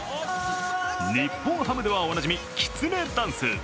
日本ハムではおなじみ、きつねダンス。